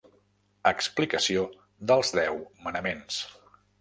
Explicació dels deu manaments.